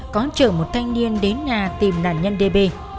có chở một thanh niên đến nga tìm nạn nhân db